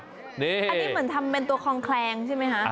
อันนี้เหมือนทำเป็นตัวคลองแคลงใช่ไหมคะ